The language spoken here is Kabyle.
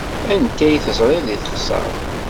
Anta i teẓriḍ deg teɣsert?